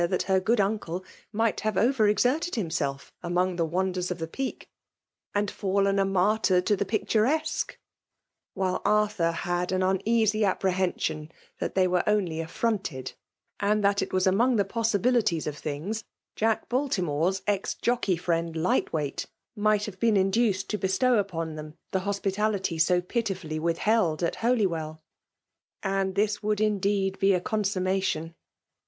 that her gaodunde might' have over earertdd htmseW among the wonders of the Peak, and lUlens BUfrtjrv to the pictunssqud ; while Afttinr hud an nnefify> apprehension that they were only affrohtbd, and that it was among the possi^' hilitKAB of things. Jack Baltimore's ex jocb^* frwttd Lightweight might have bem 'in^ dneed to bestow upon them the hospilaKty so:phifiilly withheld at Holywell. And this' %voald, indeed, be a consummation